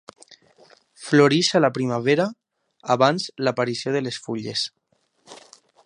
Floreix a la primavera, abans l'aparició de les fulles.